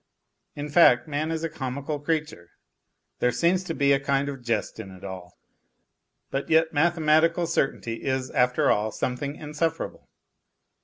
In fact, man is a comical creature ; there seems to be a kind of jest in it all. But yet mathematical certainty is, after all, something insufferable.